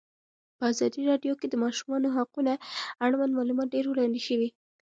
په ازادي راډیو کې د د ماشومانو حقونه اړوند معلومات ډېر وړاندې شوي.